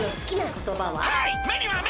はい！